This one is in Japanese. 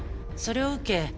それを受け